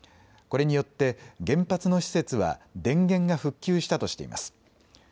これによって原発の施設は電源が復旧したとしています。